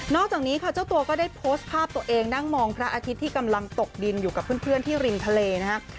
จากนี้ค่ะเจ้าตัวก็ได้โพสต์ภาพตัวเองนั่งมองพระอาทิตย์ที่กำลังตกดินอยู่กับเพื่อนที่ริมทะเลนะครับ